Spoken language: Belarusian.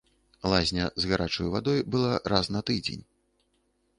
Лазня з гарачаю вадой была раз на тыдзень.